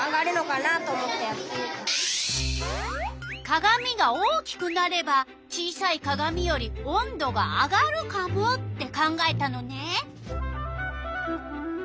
かがみが大きくなれば小さいかがみより温度が上がるかもって考えたのね。